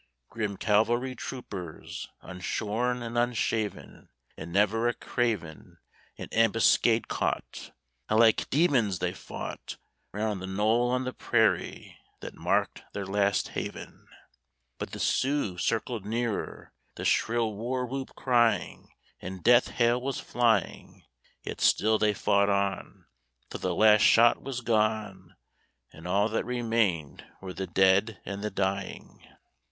Grim cavalry troopers Unshorn and unshaven, And never a craven In ambuscade caught, How like demons they fought Round the knoll on the prairie that marked their last haven. But the Sioux circled nearer The shrill war whoop crying, And death hail was flying, Yet still they fought on Till the last shot was gone, And all that remained were the dead and the dying.